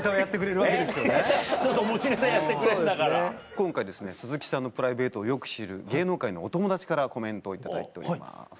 今回鈴木さんのプライベートをよく知る芸能界のお友達からコメントを頂いております。